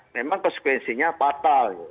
memang konsekuensinya fatal